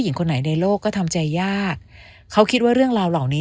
หญิงคนไหนในโลกก็ทำใจยากเขาคิดว่าเรื่องราวเหล่านี้